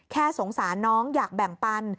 แค่สงสารน้องอยากแบ่งปัน